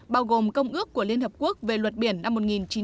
bao gồm công ước của liên hợp quốc về luật biển năm một nghìn chín trăm tám mươi hai